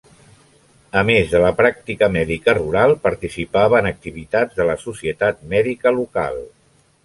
A més de la pràctica mèdica rural, participava en activitats de la societat mèdica local.